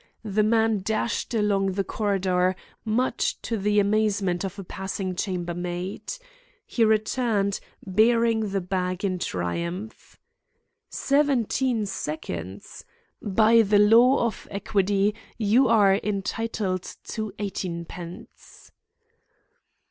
The man dashed along the corridor, much to the amazement of a passing chamber maid. He returned, bearing the bag in triumph. "Seventeen seconds! By the law of equity you are entitled to eighteenpence."